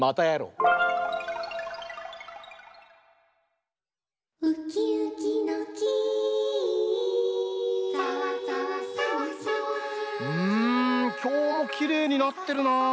うんきょうもきれいになってるなあ。